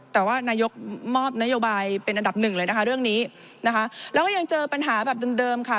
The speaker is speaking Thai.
แต่ว่านายกมอบนโยบายเป็นอันดับหนึ่งเลยนะคะเรื่องนี้นะคะแล้วก็ยังเจอปัญหาแบบเดิมค่ะ